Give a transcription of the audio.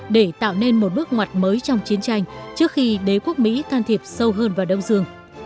để tạo nên một bước ngoặt mới trong chiến tranh trước khi đế quốc mỹ can thiệp sâu hơn vào đông dương